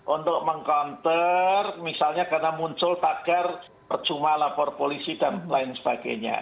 untuk meng counter misalnya karena muncul tagar percuma lapor polisi dan lain sebagainya